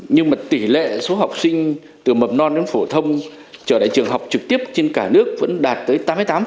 nhưng mà tỷ lệ số học sinh từ mập non đến phổ thông trở lại trường học trực tiếp trên cả nước vẫn đạt tới tám mươi tám hai mươi năm